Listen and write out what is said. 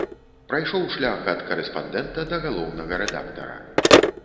Прайшоў шлях ад карэспандэнта да галоўнага рэдактара.